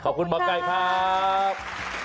ขอบคุณหมอไก่ครับ